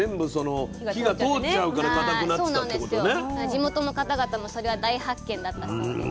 地元の方々もそれは大発見だったそうです。